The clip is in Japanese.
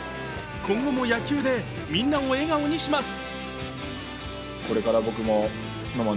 今後も野球でみんなを笑顔にします。